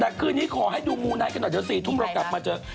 แต่คืนนี้ขอให้ดูมูไนท์กันหน่อยเดี๋ยว๔ทุ่มเรากลับมาเจอ